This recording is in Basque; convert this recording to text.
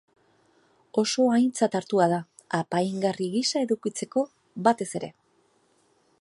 Oso aintzat hartua da, apaingarri gisa edukitzeko, batez ere.